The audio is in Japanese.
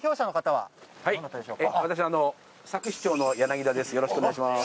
はい私佐久市長の田です